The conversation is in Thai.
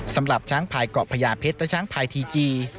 สำหรับช้างพายเกาะพญาเพชรและช้างพายทีจี